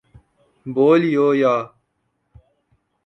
Bolivia